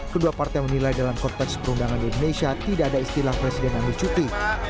kedua partai menilai dalam konteks perundangan di indonesia tidak ada istilah presiden ambil cuti